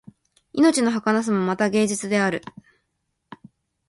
命のはかなさもまた芸術である